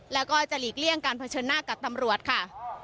แล้วก็จะหลีกเลี่ยงการเผชิญหน้ากับตำรวจค่ะ